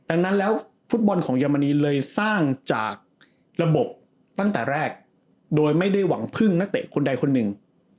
ดังนั้นแล้วฟุตบอลของเยอรมนีเลยสร้างจากระบบตั้งแต่แรกโดยไม่ได้หวังพึ่งนักเตะคนใดคนหนึ่ง